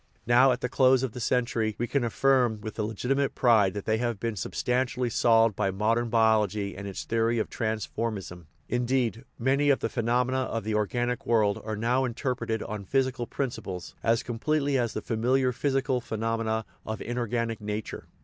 Now, at the close of the century, we can affirm with legitimate pride that they have been substantially solved by modern biology and its theory of transf ormism ; indeed, many of the phenomena of the organic world are now interpreted on physical prin ciples as completely as the familiar physical phenome na of inorganic nature.